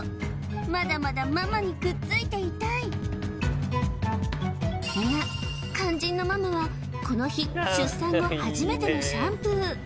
まだまだママにくっついていたいが肝心のママはこの日出産後初めてのシャンプー